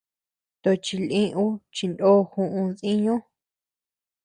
Tochi lï ú chindo juʼu diñu.